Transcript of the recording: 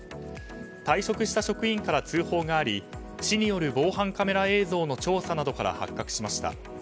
退職した職員から通報があり市による防犯カメラ映像の調査などから発覚しました。